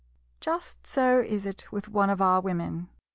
Just so is it with one of our Women.